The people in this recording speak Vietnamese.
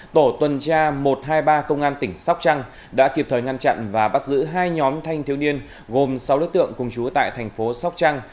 tổ tuần tra một trăm hai mươi ba công an tỉnh sóc trăng đã kịp thời ngăn chặn và bắt giữ hai nhóm thanh thiếu niên gồm sáu đối tượng cùng chú tại thành phố sóc trăng